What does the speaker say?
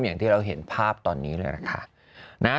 อย่างที่เราเห็นภาพตอนนี้เลยล่ะค่ะ